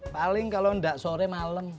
paling kalau tidak sore malam